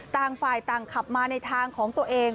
ต่างฝ่ายต่างขับมาในทางของตัวเอง